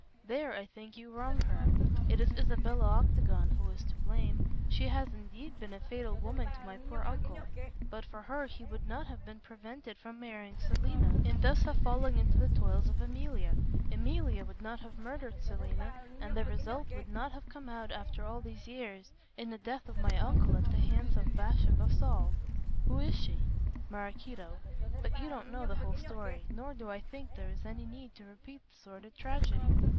"There I think you wrong her. It is Isabella Octagon who is to blame. She has indeed been a fatal woman to my poor uncle. But for her, he would not have been prevented from marrying Selina and thus have fallen into the toils of Emilia. Emilia would not have murdered Selina, and the result would not have come out after all these years in the death of my uncle at the hands of Bathsheba Saul." "Who is she?" "Maraquito. But you don't know the whole story, nor do I think there is any need to repeat the sordid tragedy.